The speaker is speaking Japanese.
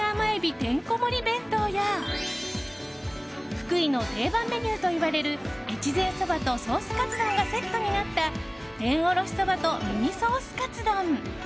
てんこ盛り弁当や福井の定番メニューといわれる越前そばとソースカツ丼がセットになった天おろしそばとミニソースカツ丼。